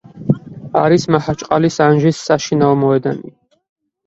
არის მაჰაჩყალის ანჟის საშინაო მოედანი.